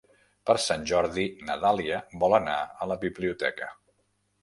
Per Sant Jordi na Dàlia vol anar a la biblioteca.